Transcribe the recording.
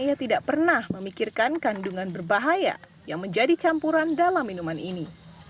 ia tidak pernah memikirkan kandungan berbahaya yang menjadi campuran dalam minuman ini